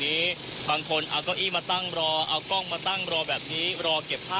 ติดตามการรายงานสดจากคุณทัศนายโค้ดทองค่ะ